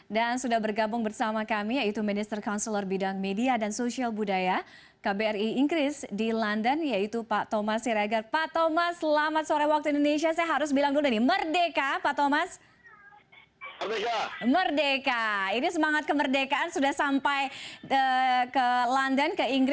dan sudah bergabung bersama kami yaitu minister counselor bidang media dan sosial budaya kbri inggris di london yaitu pak thomas siregar